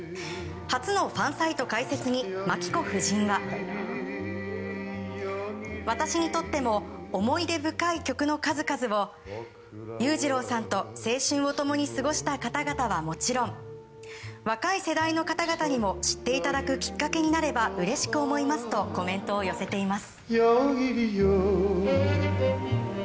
初のファンサイト開設にまき子夫人は私にとっても思い出深い曲の数々を裕次郎さんと、青春を共に過ごした方々はもちろん若い世代の方々にも知っていただくきっかけになればうれしく思いますとコメントを寄せています。